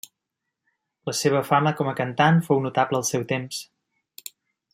La seva fama com a cantant fou notable al seu temps.